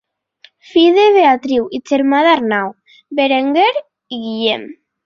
Fill de Beatriu i germà d'Arnau, Berenguer i Guillem.